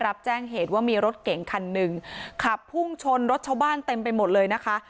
รับแจ้งเหตุว่ามีรถเก่งคันหนึ่งขับพุ่งชนรถชาวบ้านเต็มไปหมดเลยนะคะ